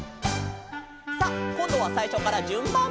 「」さあこんどはさいしょからじゅんばん！